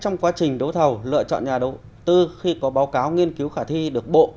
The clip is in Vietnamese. trong quá trình đấu thầu lựa chọn nhà đầu tư khi có báo cáo nghiên cứu khả thi được bộ